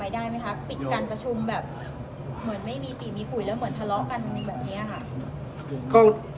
เหมือนไม่มีติมีปุ่ยแล้วเหมือนทะเลาะกันแบบนี้อะครับ